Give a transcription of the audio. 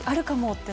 って。